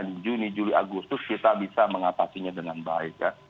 di juni juli agustus kita bisa mengatasinya dengan baik ya